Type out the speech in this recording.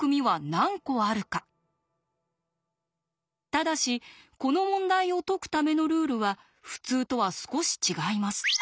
ただしこの問題を解くためのルールは普通とは少し違います。